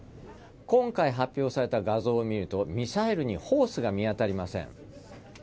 今回発表された画像を見るとミサイルにホースが見当たりません。